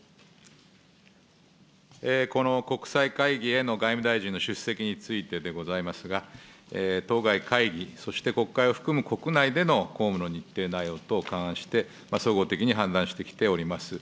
この国際会議への外務大臣の出席についてでございますが、当該会議、そして国会を含む国内での公務の日程内容等を勘案して、総合的に判断してきております。